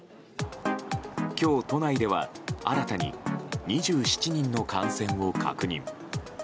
今日、都内では新たに２７人の感染を確認。